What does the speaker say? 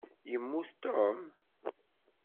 Yemmut Tom?